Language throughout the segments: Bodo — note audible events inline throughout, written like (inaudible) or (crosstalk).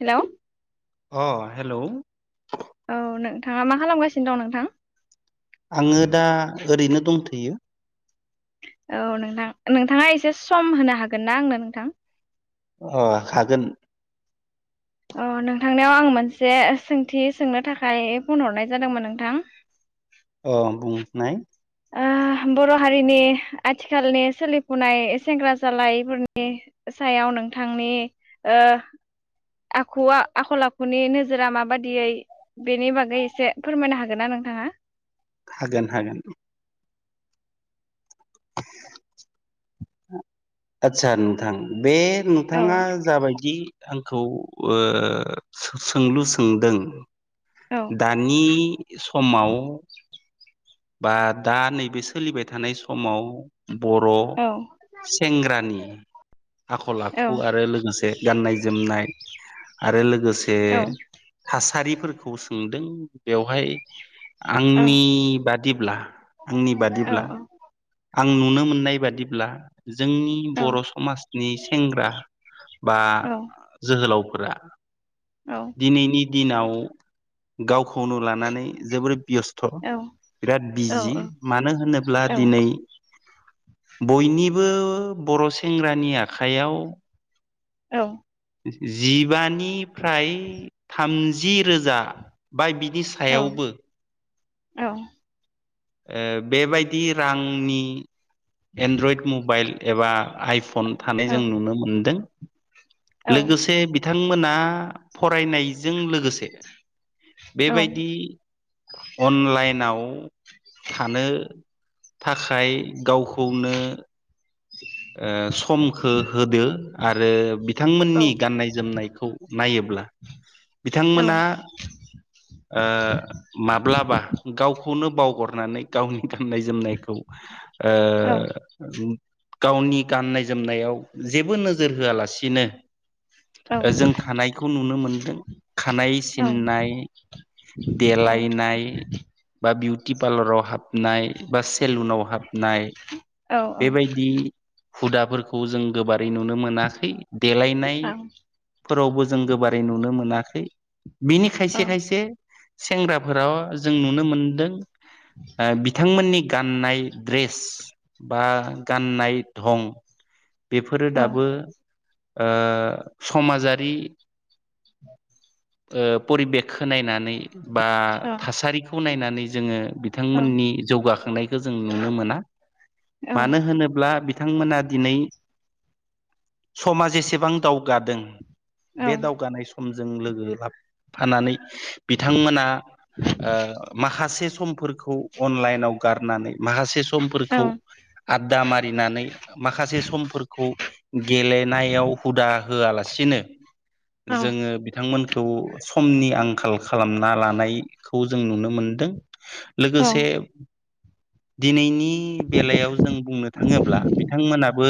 हेल' अ हेलौ औ नोंथाङा मा खालामगासिनो दं नोंथां आङो दा ओरैनो दंथ'यो‌‌। औ नोंथां नोंथाङा एसे सम होनो हागोन ना आंनो नोंथां? अ हागोन। अ नोंथांनियाव आं मोनसे सोंथि सोंनो थाखाय फन हरनाय जादोंमोन नोंथां। अ बुंनाय ओ बर' हारिनि आथिखालनि सोलिफुनाय सेंग्रा जालायफोरनि सायाव नोंथांनि ओ आखुआ आखल आखुनि नोजोरा माबादियै बेनि बागै एसे फोरमायनो हागोन ना नोंथाङा? हागोन हागोन। आतसा नोंथां? बे औ नोंथाङा जाबायदि आंखौ ओ सोंलु सोंदों। औ दानि समाव बा दा नैबे सोलिबाय थानाय समाव बर' औ सेंग्रानि आखल औ आखु आरो लोगोसे गाननाय जोमनाय आरो लोगोसे औ थासारिफोरखौ सोंदों बेवहाय औ आंनि बादि ब्ला आंनि औ बादिब्ला आं नुनो मोननाय बादिब्ला जोंनि औ बर' समाजनि सेंग्रा बा जोहोलावफोरा औ दिनैनि दिनाव गावखौनो लानानै जोबोरै बेस्थ' बिराद औ बिजि औ मानो होनोब्ला औ दिनै बयनिबो बर' सेंग्रानि आखायाव औ जिबानिफ्राय थामजि रोजा बा बिदि औ औ ओ बेबायदि रांनि एन्ड्रइड मबाइल एबा आइफन थानाय औ जों नुनो मोनदों औ लोगोसे बि थांमोना फरायनायजों लोगोसे औ बेबायदि अनलाइनाव थानो थाखाय गावखौनो समखौ होदो आरो बिथांमोननि गाननाय जोमनाय जोमनायखौ नायोब्ला औ बिथांमोना माब्लाबा गावखौनो बावगारनानै गावनि गाननाय जोमनायखौ ओ गावनि गाननाय जोमनायाव जेबो नोजोर होआलासिनो जों थानायखौ नुनो मोनदों। खानाय सिननाय देलायनाय बा बिउटि पार्लाराव हाबनाय बा सेलुनाव हाबनाय बेबायदि बिदि हुदाफोरखौ जों गोबारै नुनो मोनाखै देलायनाय फोरावबो जों गोबारै नुनो मोनाखै बिनि खायसे खायसे सेंग्राफोराव जों नुनो मोनदों बिथांमोननि गाननाय द्रेस बा गाननाय धं बेफोरो दाबो समाजारि (inaudible) परिबेकखौ नायनानै बा थासारिखौ नायनानैय जोंङो बिथांमोननि जौगाखांनायखौ जों नुनो मोना मानो होनोब्ला बिथांमोना दिनै समाजा एसेबां दावगादों बे दावगानाय समजों लोगो ला फानानै बिथांमोना माखासे समफोरखौव। अनलाइनाव गारनानै माखासे समफोरखौ हुदा मारिनानै माखासे समफोरखौ गेलेनायाव हुदा होआ लासिनो जोंङो बिथांमोनखौ समनि आंखाल खालामना लानायखौ जों नुनो मोनदों। लोगोसे दिनैनि बेलायाव। जों बुंनो थांङोब्ला बिथांमोनाबो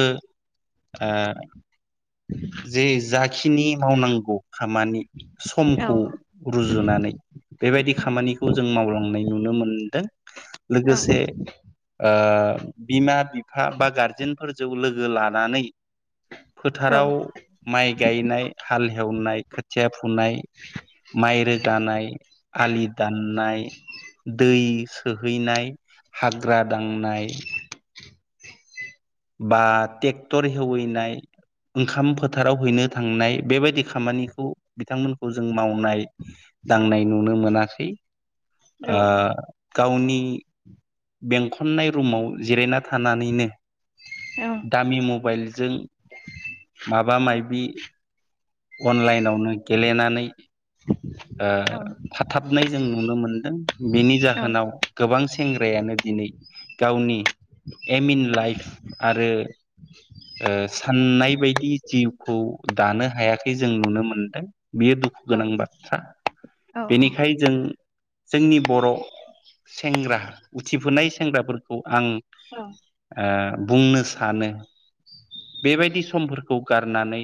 ओ जे जाखिनि मावनांगौ खामानि समखौ रुजुनानै बेबायदि खामानिखौ जों मावलांनाय नुनो मोनदों। लोगोसे ओ बिमा बिफा बा गारजेनफोरजों लोगो लानानै फोथाराव माइ गायनाय हाल हेवनाय खोथिया फुनाय माइ रोगानाय आलि दाननाय दै सोहैनाय हाग्रा दांनाय बा ट्रेक्टर ऐवहोयनाय ओंखाम फोथाराव हैनो थांनाय बेबायदि खामानिखौ बिथांमोनखौ जों मावनाय दांनाय नुनो मोनाखै ओ गावनि बेंखननाय रुमाव जिरायना थानानैनो औव दामि मबाइलजों माबा मायबि अनलाइनावनो गेलेनानै ओ थाथाबनाय जों नुनो मोनदों बेनि जाहोनाव? गोबां सेंग्रायानो दिनै गावनि एम इन लाइफ आरो ओ साननाय बायदि जिउखौ दानो हायाखै जों नुनो मोनदों। बियो दुखु गोनां बाथ्रा। बेनिखाय जों जोंनि बर' सेंग्रा उथिफुनाय सेंग्राफोरखौ आं ओ बुंनो सानो बेबायदि समफोरखौ गारनानै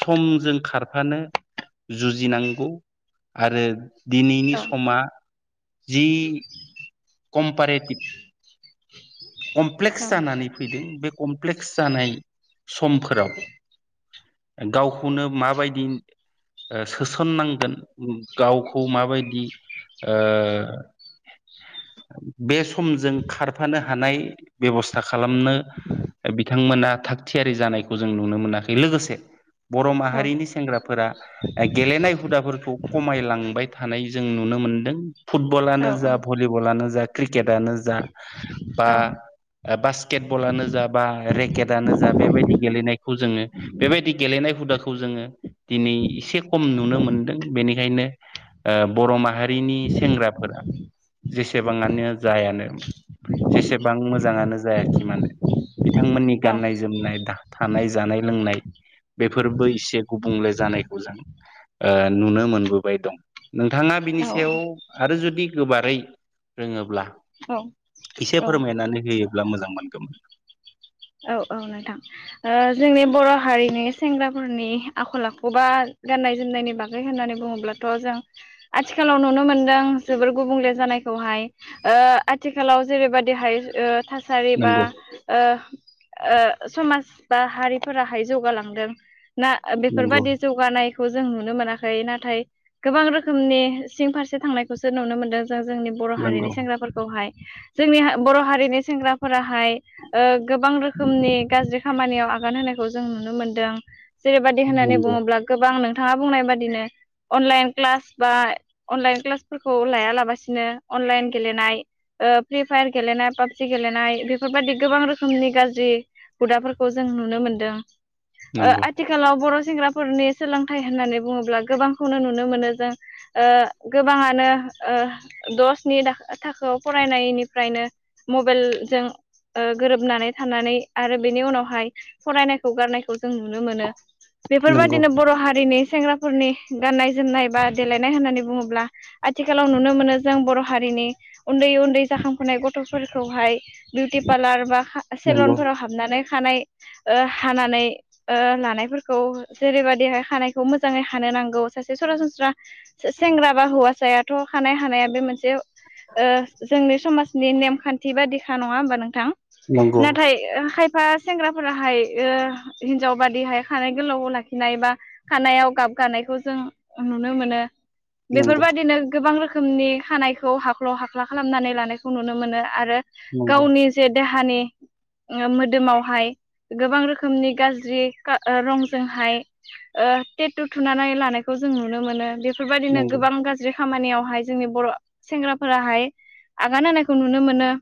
समजों खारफानो। जुजिनांगौ। आरो दिनैनि समा जि कमपारेतिब कमप्लेक्स जानानै फैदों बे कमप्लेक्स जानाय। समफोराव गावखौनो माबायदि। ओ सोसननांगोन गावखौ माबायदि ओ बे समजों खारफानो हानाय बेब'स्था खालामनो। बिथांमोना थागथियारि जानायखौ जों नुनो मोनाखै लोगोसे। बर' माहारिनि सेंग्राफोरा, गेलेनाय हुदाफोरखौ खमायलांबाय थानाय जों नुनो मोनदों। फुटबलानो जा भलिबलानो जा क्रिकेटआनो जा बा, बास्केट बलानो जा बा रेकेटानो जा बेबायदि गेलेनायखौ जोङो। बेबायदि गेलेनाय हुदाखौ जोङो दिनै एसे खम नुनो मोनदों बेनिखायनो, ओ बर' माहारिनि सेंग्राफोरा, जेसेबाङानो जायानो जेसेबां मोजाङानो जायाखै मानो। बिथांमोननि गाननाय जोमनाय थानाय जानाय लोंनाय बेफोरबो इसे गुबुंले जानायखौ जों ओ नुनो मोनबोबाय दं नोंथाङा बिनि सायाव आरो जुदि गोबारै, रोङोब्ला। औ औ इसे औ फोरमायनानै होयोब्ला मोजां मोनगौमोन। औ औ नोंथां। ओ जोंनि बर' हारिनि सेंग्राफोरनि आखल आखु बा गाननाय जोमनायनि बाग होननानै बुङोब्लाथ' जों आथिखालाव नुनो मोनदों जोबोर गुबुंले जानायखौहाय। ओ आथिखालाव जेरैबादि हाय ओ थासारि बा नंगौ ओ ओ समाज बा हारिफोराहाय जौगालांदों ना नंगौ बेफोरबादि, जौगानायखौ जों नुनो मोनाखै नाथाय। गोबां रोखोमनि सिं फारसे थांनायखौसो नुनो मोनदों। जों जोंनि बर' हारिनि नंगौ सेंग्राफोरखौहाय जोंनि बर' हारिनि सेंग्राफोराहाय ओ गोबां रोखोमनि गाज्रि खामानियाव आगान होनायखौ जों नुनो मोनदों जेरैबायदि होननानै नंगौ बुङोब्ला गोबां नोंथाङा बुंनाय बादिनो। अनलाइन क्लास बा अनलाइन क्लासफोरखौ लायालाबासिनो अनलाइन गेलेनाय। ओ फ्रि फायार गेलेनाय पाबजि गेलेनाय बेफोरबायदि गोबां रोख खोरोमनि गाज्रि हुदाफोरखौ जों नुनो मोनदों ओ आथि आथिखालाव बर' सेंग्राफोरनि सोलोंथाइ होननानै बुङोब्ला गोबांखौनो नुनो मोनो जों, ओ गोबाङानो ओ द'सनि थाखो थाखोआव फरायनायनिफ्रायनो। मबाइलजों। ओ गोरोबनानै थानानै आरो बेनि उनावहाय फरायनायखौ गारनायखौ जों नुनो मोनो। नंगौ बेफोरबायदिनो बर' हारिनि सेंग्राफोरनि गाननाय जोमनाय बा देलायनाय होननानै बुङोब्ला। आथिखालाव नुनो मोनो जों बर' हारिनि उन्दै उन्दै जाखांफुनाय गथ'फोरखौहाय। बिउटि पार्लार बा सेलन नंगौ फोराव हाबनानै खानाय ओ हानानै ओ लानायफोरखौ जेरैबायदिहाय खानायखौ मोजाङै हानो नांगौ सासे सरासनस्रा। सेंग्रा बा हौवासायाथ' खानाय हानाया बे मोनसे। ओ जोंनि समाजनि नेमखान्थि बादिखा नङा होमबा नोंथां? नंगौ नाथाय ओ खायफा सेंग्राफोराहाय ओ हिनजाव बादिहाय खानाय गोलाव लाखिनाय बा खानायाव गाब गानायखौ जों नुनो मोनो बेफोरबायदिनो गोबां रोखोमनि खानायखौ हाख्ल' हाख्ला खालामनानै लानायखौ नुनो मोनो आरो नंगौ गावनि जे देहानि ओ मोदोमावहाय गोबां रोखोमनि गाज्रि का ओ रंजोंहाय ओ टेटु थुनानै लानायखौ जों नुनो मोनो बेफोरबायदिनो नंगौ नंगौ गोबां गाज ज्रि खामानियावहाय जोंनि बर' सेंग्राफोराहाय आगान होनायखौ नुनो मोनो।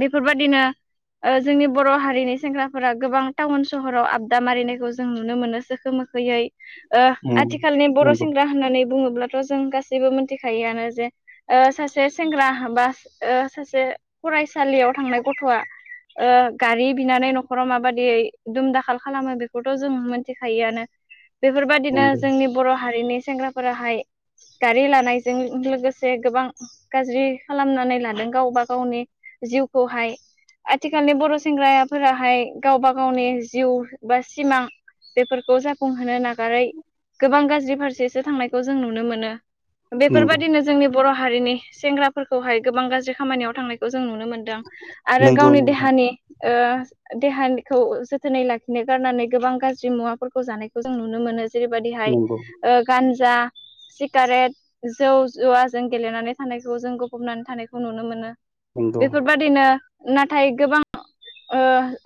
बेफोरबायदिनो ओ जोंनि बर' हारिनि सेंग्राफोरा गोबां टाउन सहराव आबदा मारिनायखौ जों नुनो मोनोसो खो मोखोयै ओ उम आथिखालनि बर' नंगौ सेंग्रा होननानै बुङोब्ला थ' जों गासैबो मोनथिखायोआनो जे ओ सासे सेंग्रा बा ओ सासे फरायसालियाव थांनाय गथ'आ ओ गारि बिनानै न'खराव माबादियै दुम दाखाल खालामो बेखौथ' जों मोनथिखायोआनो बेफोरबायादिनो जोंनि बर' हारिनि सेंग्राफोराहाय गारि लानायजों लोगोसे गोबां गाज्रि खालामनानै लादों गावबा गावनि जिउखौहाय आथिखालनि बर' सेंग्रायाफोराहाय गावबा गावनि जिउ बा सिमां बेफोरखौ जाफुंहोनो नागारै गोबां गाज्रि फारसेसो थांनायखौ जों नुनो मोनो। नंगौ बेफोरबायदिनो जोंनि बर' हारिनि सेंग्राफोरखौहाय गोबां गाज्रि खामानियाव थांनायखौ जों नुनो मोनदों। आरो नंगौ गावनि नंगौ नोंथां देहानि ओ देहानिखौ जोथोनै लाखिनो गारनानै गोबां गाज्रि मुवाफोरखौ जानायखौ जों नुनो मोनो जेरैबायदिहाय नंगौ ओ गानजा सिगारेट जौ जुवाजों गेलेनानै थानायखौ जों गफबनानै थानायखौ नुनो मोनो। नंगौ बेफोरबादिनो नाथाय गोबां ओ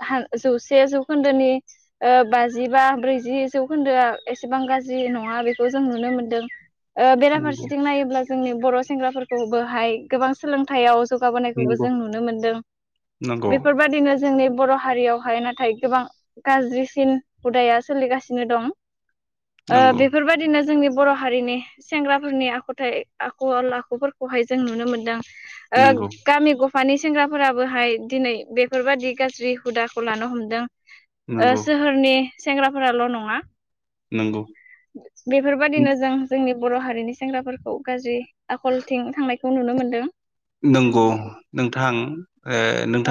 हान जौसे जौखोन्दोनि ओ बाजिबा ब्रैजि जौखोन्दोआ एसेबां गाज्रि नङा बेखौ जों नुनो मोनदों ओ बेराफारसेथिं नायोब्ला जोंनि बर' सेंग्राफोरखौबोहाय गोबां सोलोंथाइयाव नंगौ जौगाबोनायखौबो जों नुनो मोनदों नंगौ बेफोरबायादिनो जोंनि बर' हारियावहाय नाथाय गोबां गाज्रिसिन हुदाया सोलिगासिनो दं ओ नंगौ बेफोरबा दिनो जोंनि बर' हारिनि सेंग्राफोरनि आखुथाइ आखल आखुफोरखौहाय जों नुनो मोन्दों। ओ नंगौ गामि गफानि सेंग्रा फोराबोहाय दिनै बेफोरबादि गाज्रि हुदाखौ लानो हमदों ओ नंगौ सोहोरनि सेंग्राफोराल' नङा नंगौ बेफोरबादिनो जों जोंनि बर' हारिनि सेंग्राफोरखौ गाज्रि आखलथिं थांनायखौ नुनो मोन्दों नंगौ नोंथां ओ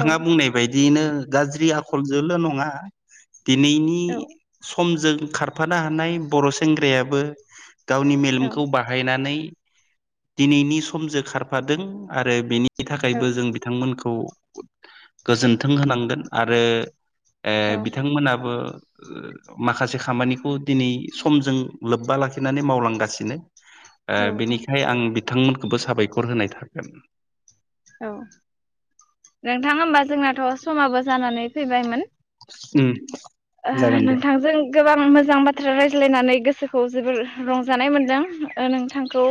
औ बुंनाय बायदिनो गाज्रि आखलजोंल' नङा दिनैनि औ समजों खारफानो हानाय बर' सेंग्रायाबो गावनि औ मेलेमखौ बार बाहायनानै दिनैनि समजों खारफादों आरो बेनि थाखायबो जों बि थांमोनखौ गोजोनथों होनांगोन आरो ओ औ बिथांमोनाबो माखासे खामानिखौ दिनै समजों लोब्बा लाखिनानै मावलांगासिनो। आ औ औ बिनिखायनो आं बिथांमोनखौबो साबायखर होनाय थागोन। औ नोंथां होमबा जोंनाथ' समाबो जानानै फैबायमोन उम ओ जागोन दे नोंथांजों गोबां मोजां बाथ्रा रायज्लायनानै गोसोखौ जोबोर रंजानाय मोनदों ओ नोंथांखौ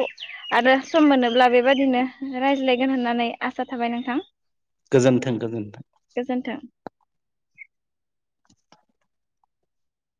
आरो सम मोनोब्ला बेबादिनो रायज्लायगोन होननानै आसा थाबाय नोंथां। गोजोन्थों गोजोन्थों गोजोन्थों